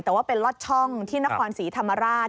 แต่ว่าเป็นลอดช่องที่นครศรีธรรมราช